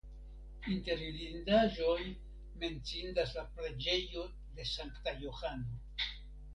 Inter vidindaĵoj menciindas la preĝejo de Sankta Johano.